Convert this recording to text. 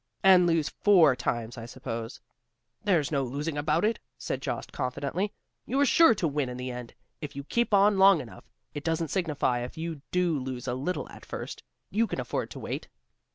"And lose four times, I suppose?" "There's no losing about it;" said Jost confidently, "You're sure to win in the end, if you keep on long enough. It doesn't signify if you do lose a little at first you can afford to wait."